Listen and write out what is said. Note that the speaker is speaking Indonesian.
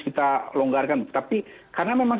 kita longgarkan tapi karena memang